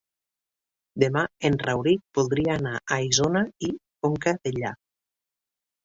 Demà en Rauric voldria anar a Isona i Conca Dellà.